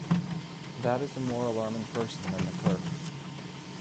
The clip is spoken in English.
That is a more alarming person than the clerk.